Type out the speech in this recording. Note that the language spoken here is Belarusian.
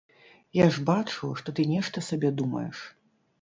Я ж бачу, што ты нешта сабе думаеш!